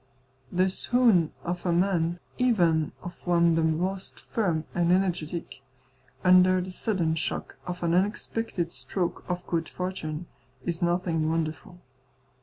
The swoon of a man, even of one the most firm and energetic, under the sudden shock of an unexpected stroke of good fortune, is nothing wonderful.